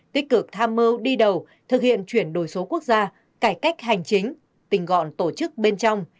tích cực tham mưu đi đầu thực hiện chuyển đổi số quốc gia cải cách hành chính tình gọn tổ chức bên trong